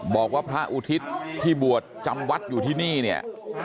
บอกว่าพระอุทิศที่บวชจำวัดอยู่ที่นี่เนี่ย